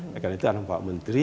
karena itu ada pak menteri